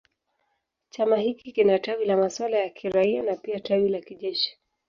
Chama hiki kina tawi la masuala ya kiraia na pia tawi la kijeshi.